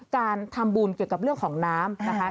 การทำบุญเกี่ยวกับเรื่องของน้ำนะคะ